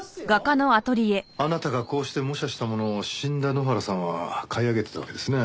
あなたがこうして模写したものを死んだ埜原さんは買い上げてたわけですね。